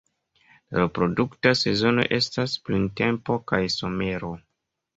La reprodukta sezono estas printempo kaj somero.